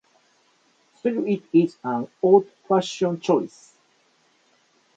Still it is an odd fashion choice.